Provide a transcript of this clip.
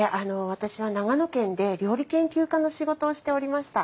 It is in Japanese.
私は長野県で料理研究家の仕事をしておりました。